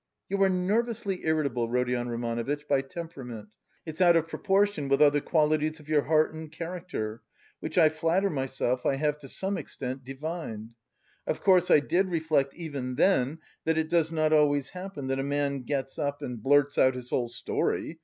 You are nervously irritable, Rodion Romanovitch, by temperament; it's out of proportion with other qualities of your heart and character, which I flatter myself I have to some extent divined. Of course I did reflect even then that it does not always happen that a man gets up and blurts out his whole story.